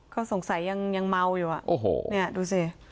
เขาสงสัยว่ายังเม้าอยู่